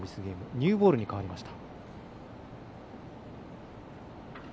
ニューボールに変わりました。